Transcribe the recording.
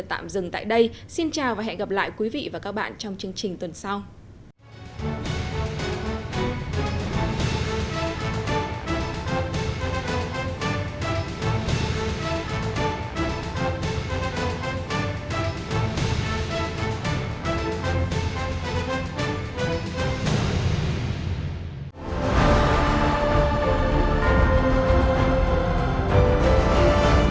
cảm ơn các bạn đã theo dõi và hẹn gặp lại